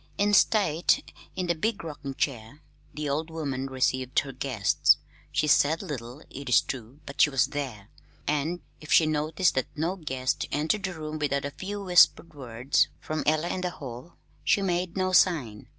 In state, in the big rocking chair, the old woman received her guests. She said little, it is true, but she was there; and if she noticed that no guest entered the room without a few whispered words from Ella in the hall, she made no sign.